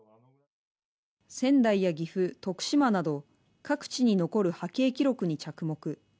仙台や岐阜徳島など各地に残る波形記録に着目